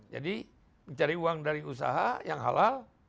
jadi mencari uang dari usaha yang halal